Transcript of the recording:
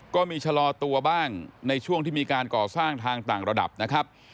ก็มีชะลอตัวบ้างในช่วงที่มีการก่อสร้างทางต่างระดับนะครับ